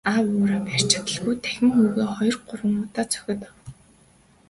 Аав нь уураа барьж чадалгүй дахин хүүгээ хоёр гурван удаа цохиод авав.